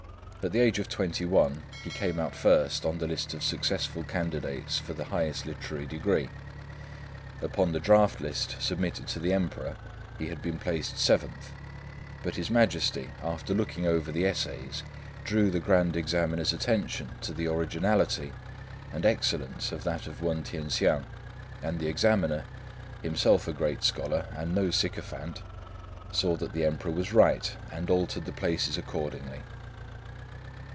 At the age of twenty one he came out first on the list of successful candidates for the highest literary degree. Upon the draft list submitted to the Emperor he had been placed seventh; but his Majesty, after looking over the essays, drew the grand examiner's attention to the originality and excellence of that of Wên T'ien hsiang, and the examiner—himself a great scholar and no sycophant—saw that the Emperor was right, and altered the places accordingly.